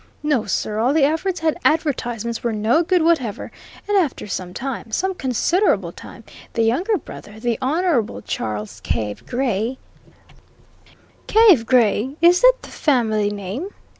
No, sir; all the efforts and advertisements were no good whatever, and after some time some considerable time the younger brother, the Honourable Charles Cave Gray " "Cave Gray? Is that the family name?"